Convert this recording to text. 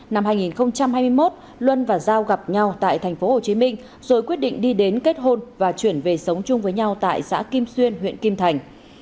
năm hai nghìn hai mươi một luân và giao gặp nhau tại tp hcm rồi quyết định đi đến kết hôn và chuyển về sống chung với nhau tại xã kim xuyên huyện kim thành